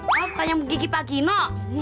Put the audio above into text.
oh pertanyaan begigi pak kino